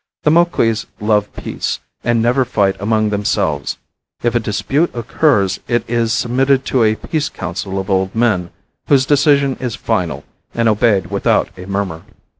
The Moquis love peace, and never fight among themselves. If a dispute occurs it is submitted to a peace council of old men, whose decision is final and obeyed without a murmur.